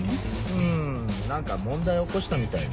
うん何か問題を起こしたみたいで。